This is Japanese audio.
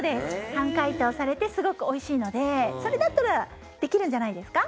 半解凍されてすごくおいしいのでそれだったらできるんじゃないですか？